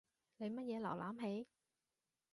你乜嘢瀏覽器？